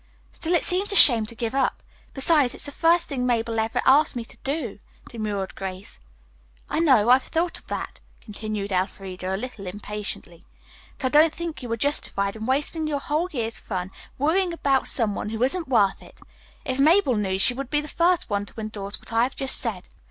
"Still, it seems a shame to give up; besides, it is the first thing Mabel ever asked me to do," demurred Grace. "I know, I've thought of that," continued Elfreda a little impatiently. "But I don't think you are justified in wasting your whole year's fun worrying about some one who isn't worth it. If Mabel knew, she would be the first one to indorse what I have just said."